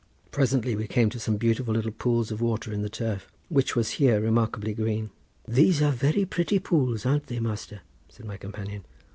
Presently we came to some beautiful little pools of water in the turf, which was here remarkably green. "These are very pretty pools, an't they, master?" said my companion.